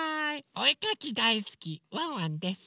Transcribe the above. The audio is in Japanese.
おえかきだいすきワンワンです。